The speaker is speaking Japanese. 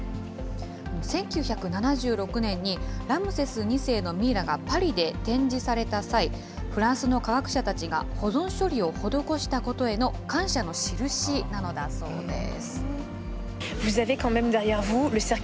１９７６年にラムセス２世のミイラがパリで展示された際、フランスの科学者たちが保存処理を施したことへの感謝の印なのだそうです。